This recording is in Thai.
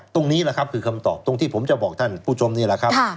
ตรงนี้แหละครับคือคำตอบตรงที่ผมจะบอกท่านผู้ชมนี่แหละครับ